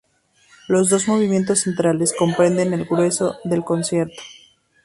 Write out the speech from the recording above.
Los dos movimientos centrales comprenden el grueso del concierto.